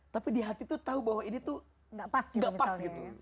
tapi di hati tuh tahu bahwa ini tuh gak pas gitu